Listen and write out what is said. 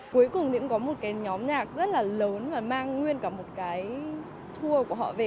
cuối cùng thì cũng có một cái nhóm nhạc rất là lớn và mang nguyên cả một cái tour của họ về